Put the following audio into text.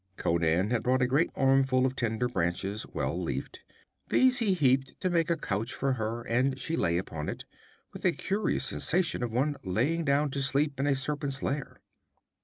Conan had brought a great armful of tender branches, well leafed. These he heaped to make a couch for her, and she lay upon it, with a curious sensation as of one lying down to sleep in a serpent's lair.